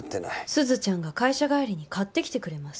すずちゃんが会社帰りに買ってきてくれます。